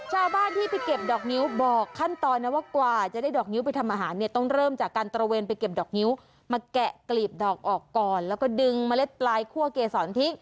ชาวบ้านที่ไปเก็บดอกนิ้วบอกขั้นตอนนะว่ากว่าจะได้ดอกนิ้วไปทำอาหารเนี่ยต้องเริ่มจากการตระเวนไปเก็บดอกนิ้วมาแกะกลีบดอกออกก่อนแล้วก็ดึงเมล็ดปลายคั่วเกษรทิ้ง